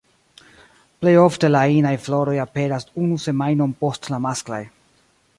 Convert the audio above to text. Plej ofte la inaj floroj aperas unu semajnon post la masklaj.